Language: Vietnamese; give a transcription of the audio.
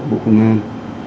bộ công an